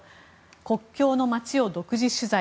国境の街を独自取材。